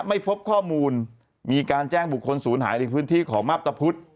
ไม่พบข้อมูลมีการแจ้งบุคคลศูนย์หายในพื้นที่ของมาพตะพุธ